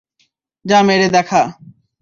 যা মেরে দেখা!